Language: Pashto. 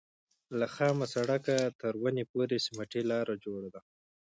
له خامه سړک نه تر ونې پورې سمټي لاره جوړه ده.